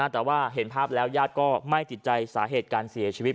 แต่ว่าเห็นภาพแล้วญาติก็ไม่ติดใจสาเหตุการเสียชีวิต